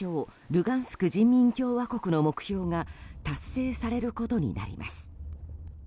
ルガンスク人民共和国の目標が達成されることになります。